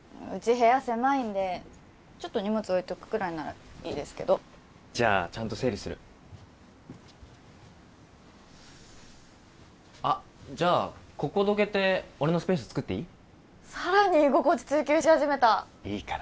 うち部屋狭いんでちょっと荷物置いとくくらいならいいですけどじゃあちゃんと整理するあっじゃあここどけて俺のスペースつくっていい？